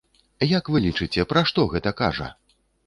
Як вы лічыце, пра што гэта кажа?